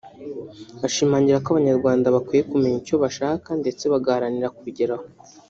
Ashimangira ko Abanyarwanda bakwiye kumenya icyo bashaka ndetse bagaharanira kubigeraho